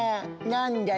何だ？